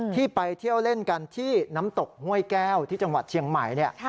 ที่ไปเที่ยวเล่นกันที่น้ำตกห้วยแก้วที่จังหวัดเชียงใหม่